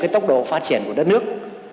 tốc độ phát triển của đất nước